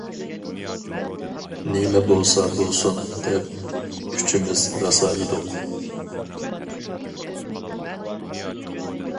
نېمە بولسا بولسۇن دەپ ئۈچىمىز راسا يېدۇق.